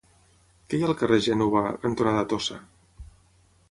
Què hi ha al carrer Gènova cantonada Tossa?